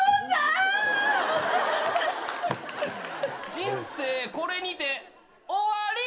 「人生これにて終わり！」